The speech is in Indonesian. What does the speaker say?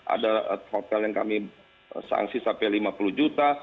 ada hotel yang kami sangsi sampai lima puluh juta